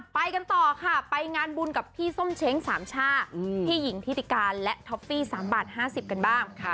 ไปกันต่อค่ะไปงานบุญกับพี่ส้มเช้งสามช่าพี่หญิงทิติการและท็อฟฟี่๓บาท๕๐กันบ้าง